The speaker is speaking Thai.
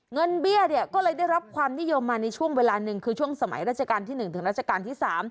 เบี้ยก็เลยได้รับความนิยมมาในช่วงเวลาหนึ่งคือช่วงสมัยราชการที่๑ถึงราชการที่๓